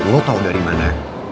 lo tau dari mana